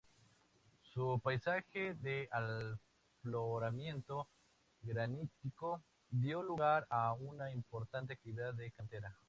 Su paisaje de afloramiento granítico dio lugar a una importante actividad de cantería.